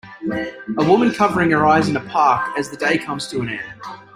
A woman covering her eyes in a park as the day comes to an end